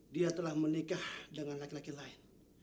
dia telah menikah dengan laki laki lain